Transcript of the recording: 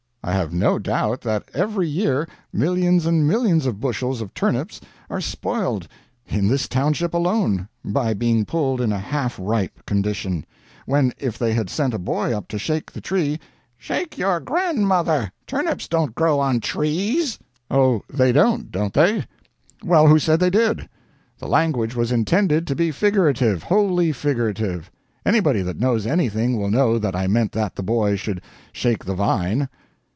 I have no doubt that every year millions and millions of bushels of turnips are spoiled in this township alone by being pulled in a half ripe condition, when, if they had sent a boy up to shake the tree " "Shake your grandmother! Turnips don't grow on trees!" "Oh, they don't, don't they? Well, who said they did? The language was intended to be figurative, wholly figurative. Anybody that knows anything will know that I meant that the boy should shake the vine."